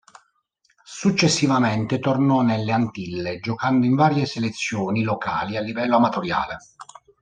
Successivamente tornò nelle Antille, giocando in varie selezioni locali a livello amatoriale.